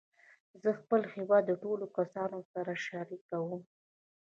زه خپل هېواد د ټولو کسانو سره شریکوم.